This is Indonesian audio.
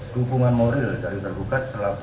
dukungan moral dari tergugat selaku